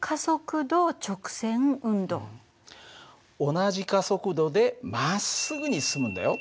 同じ加速度でまっすぐに進むんだよ。